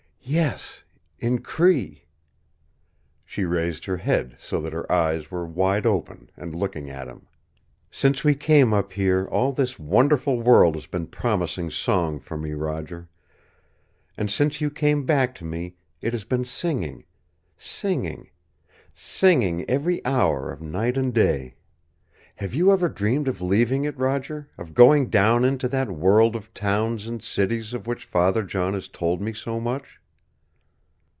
"Yes, in Cree." She raised her head, so that her eyes were wide open, and looking at him. "Since we came up here all this wonderful world has been promising song for me, Roger. And since you came back to me it has been singing singing singing every hour of night and day. Have you ever dreamed of leaving it, Roger of going down into that world of towns and cities of which Father John has told me so much?"